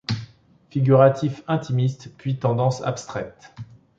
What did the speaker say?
Figuratif intimiste, puis tendance abstraite.